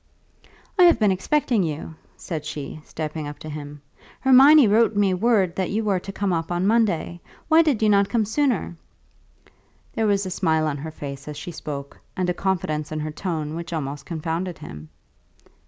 "I have been expecting you," said she, stepping up to him. "Hermione wrote me word that you were to come up on Monday. Why did you not come sooner?" There was a smile on her face as she spoke, and a confidence in her tone which almost confounded him.